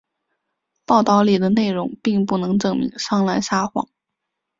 报道里的内容并不能证明桑兰撒谎。